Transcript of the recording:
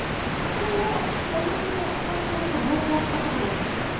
これは小麦粉片栗粉両方使った方がいいですか？